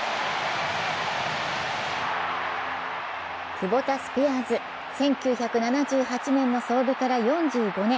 クボタスピアーズ、１９７８年の創部から４５年。